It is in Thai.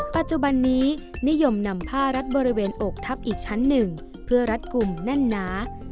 ปัจจุบันนี้นิยมนำผ้ารัดบริเวณอกทับอีกชั้นหนึ่งเพื่อรัดกลุ่มแน่นหนา